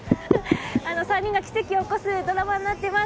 ３人が奇跡を起こすドラマになっています。